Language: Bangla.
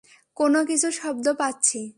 কোনো কিছুর শব্দ পাচ্ছি!